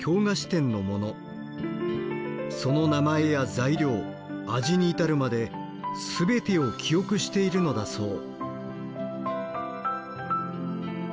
その名前や材料味に至るまで全てを記憶しているのだそう。